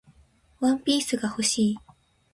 ワンピースが欲しい